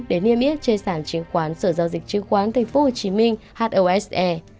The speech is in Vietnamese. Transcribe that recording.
để niêm yết trên sản chứng khoán sở giao dịch chứng khoán tp hcm hose